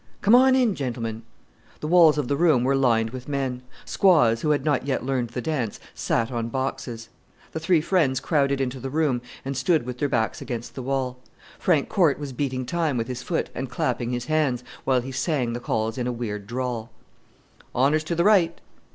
"Come on in, gentlemen!" The walls of the room were lined with men. Squaws, who had not yet learned the dance, sat on boxes. The three friends crowded into the room and stood with their backs against the wall. Frank Corte was beating time with his foot and clapping his hands, while he sang the calls in a weird drawl. "Honours to the right."